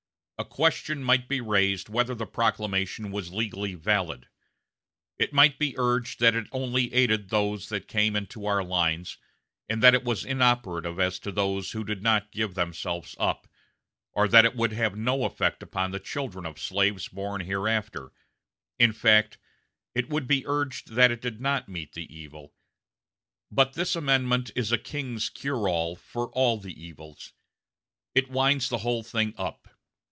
A question might be raised whether the proclamation was legally valid. It might be urged that it only aided those that came into our lines, and that it was inoperative as to those who did not give themselves up; or that it would have no effect upon the children of slaves born hereafter; in fact, it would be urged that it did not meet the evil. But this amendment is a king's cure all for all the evils. It winds the whole thing up.